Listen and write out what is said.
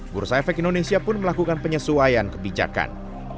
bursa efek indonesia pun melakukan penyesuaian kebijakan